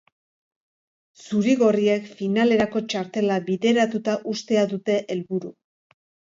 Zuri-gorriek finalerako txartela bideratuta uztea dute helburu.